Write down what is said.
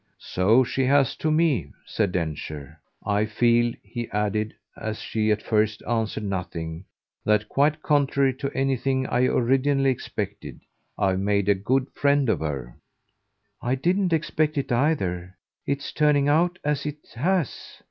"So she has to ME," said Densher. "I feel," he added as she at first answered nothing, "that, quite contrary to anything I originally expected, I've made a good friend of her." "I didn't expect it either its turning out as it has.